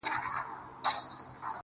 ته مي يو ځلي گلي ياد ته راوړه_